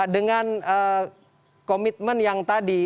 dengan komitmen yang tadi